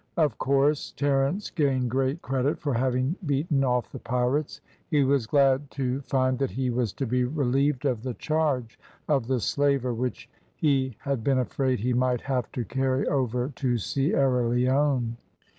Of course, Terence gained great credit for having beaten off the pirates. He was glad to find that he was to be relieved of the charge of the slaver, which he had been afraid he might have to carry over to Sierra Leone.